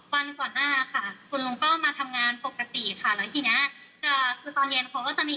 วันก่อนหน้าค่ะคุณลุงก็มาทำงานปกติค่ะแล้วทีเนี้ยจะคือตอนเย็นเขาก็จะมี